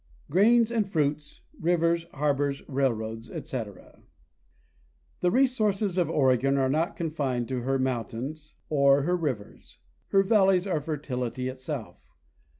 Grains and Fruits; Rivers, Harbors, Railroads, ete. The resources of Oregon are not confined to her mountains or her rivers. Her valleys: are fertility itself.